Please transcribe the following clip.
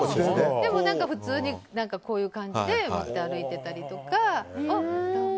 でも普通にこういう感じで持って歩いてたりとか。